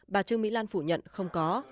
bà trương mỹ lan phủ nhận không có